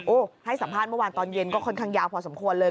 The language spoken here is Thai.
ให้สัมภาษณ์เมื่อวานตอนเย็นก็ค่อนข้างยาวพอสมควรเลย